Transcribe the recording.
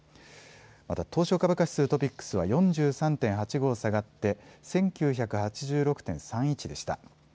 また東証株価指数トピックスは４３．８５下がって１９８６．３１でした。